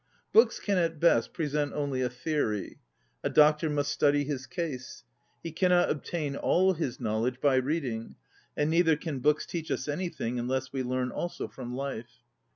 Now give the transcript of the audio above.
Books can at best present only a theory. A doctor must study his case; he cannot obtain all his knowl edge by reading, and neither can books teach us anything unless we learn also from life.